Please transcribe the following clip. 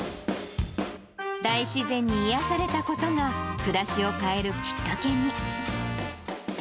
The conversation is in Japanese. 大自然に癒やされたことが、暮らしを変えるきっかけに。